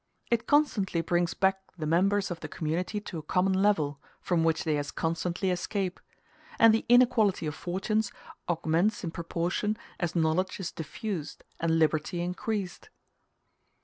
It constantly brings back the members of the community to a common level, from which they as constantly escape: and the inequality of fortunes augments in proportion as knowledge is diffused and liberty increased.